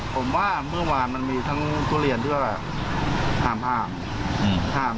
ผมว่าเมื่อวานมันมีทั้งทุเรียนด้วยห้ามห้าม